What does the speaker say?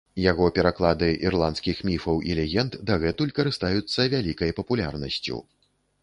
Яго пераклады ірландскіх міфаў і легенд дагэтуль карыстаюцца вялікай папулярнасцю.